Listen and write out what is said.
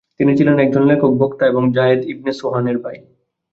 তিনি ছিলেন একজন লেখক, বক্তা এবং জায়েদ ইবনে সুহানের ভাই।